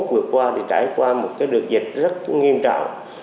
vừa qua thì trải qua một cái đợt dịch rất nghiêm trọng